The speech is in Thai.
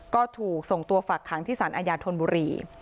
ก็ถูกส่งตัวฝักขังที่สารอาญาธนบุรี